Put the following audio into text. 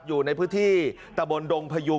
อยู่ในพื้นที่ตะบนดงพยุง